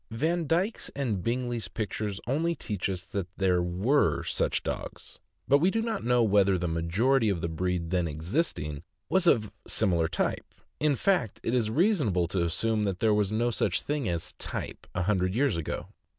Vandyke's and Bingley's pictures only teach us that there were such dogs, but we do not know whether the majority of the breed then existing was of similar type; in fact, it is reasonable to assume that there was no such thing as "type" a hun dred years ago.